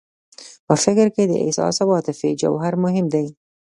په فکر کې د احساس او عاطفې جوهر مهم دی.